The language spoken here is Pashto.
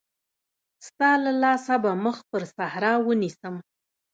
ستا له لاسه به مخ پر صحرا ونيسم.